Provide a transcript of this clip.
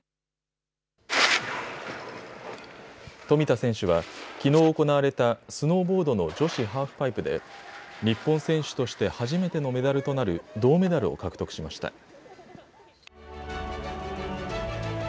冨田選手は、きのう行われたスノーボードの女子ハーフパイプで日本選手として初めてのメダルとなる銅メダルを獲得しました。